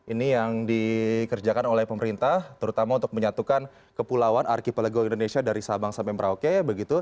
ini yang dikerjakan oleh pemerintah terutama untuk menyatukan kepulauan archipelego indonesia dari sabang sampai merauke begitu